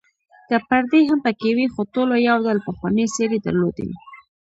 که پردي هم پکې وې، خو ټولو یو ډول پخوانۍ څېرې درلودې.